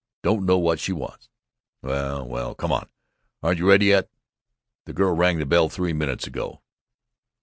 Doesn't know what she wants. Well, well, come on! Aren't you ready yet? The girl rang the bell three minutes ago."